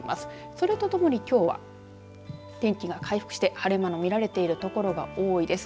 それとともにきょうは天気が回復して、晴れ間の見られている所が多いです。